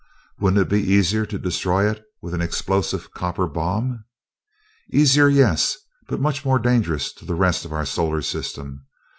"Wouldn't it be easier to destroy it with an explosive copper bomb?" "Easier, yes, but much more dangerous to the rest of our solar system.